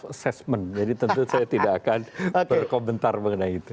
assessment jadi tentu saya tidak akan berkomentar mengenai itu